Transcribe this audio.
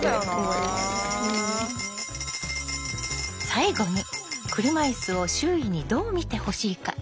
最後に車いすを周囲にどう見てほしいか？